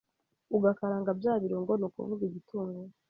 ugakaranga bya birungo ni ukuvuga igitunguru,